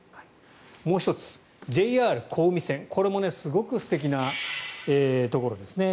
もう１つ、ＪＲ小海線これもすごく素敵なところですね。